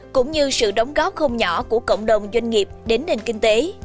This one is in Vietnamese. cũng như sự đóng góp không nhỏ của cộng đồng doanh nghiệp đến nền kinh tế